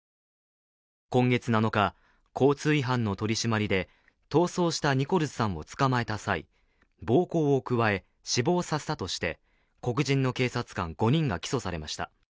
今月７日、交通違反の取り締まりで逃走したニコルズさんを捕まえた際、暴行を加え死亡させたとして黒人の警察官５人が起訴されました。